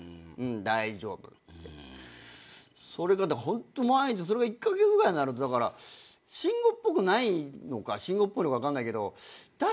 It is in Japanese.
ホント毎日１カ月ぐらいになると慎吾っぽくないのか慎吾っぽいのか分かんないけど。